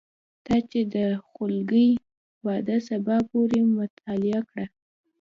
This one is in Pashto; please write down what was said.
تا چې د خولګۍ وعده سبا پورې معطله کړه